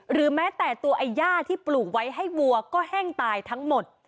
หรือแม้แต่ตัวไอ้ย่าที่ปลูกไว้ให้วัวก็แห้งตายทั้งหมด